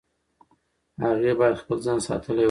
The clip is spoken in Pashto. هغې باید خپل ځان ساتلی وای.